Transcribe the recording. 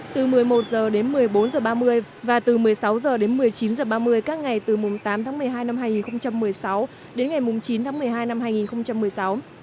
từ một mươi một h đến một mươi bốn h ba mươi và từ một mươi sáu h đến một mươi chín h ba mươi các ngày từ mùng tám tháng một mươi hai năm hai nghìn một mươi sáu đến ngày chín tháng một mươi hai năm hai nghìn một mươi sáu